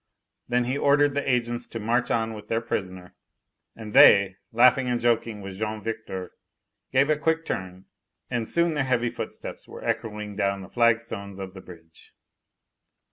Then he ordered the agents to march on with their prisoner, and they, laughing and joking with Jean Victor, gave a quick turn, and soon their heavy footsteps were echoing down the flagstones of the bridge.